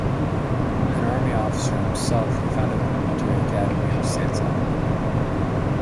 An army officer himself, he founded the Military Academy of San Salvador.